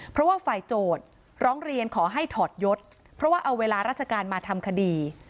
เพราะว่าฝ่ายโจทย์ร้องเรียนขอให้ถอดยศเพราะว่าเอาเวลาราชการมาทำคดี